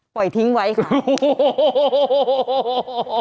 ไหวทิ้งไว้ค่ะ